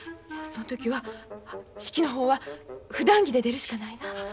その時は式の方はふだん着で出るしかないな。